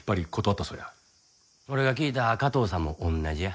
俺が聞いた加藤さんも同じや。